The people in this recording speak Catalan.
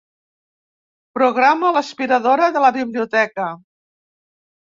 Programa l'aspiradora de la biblioteca.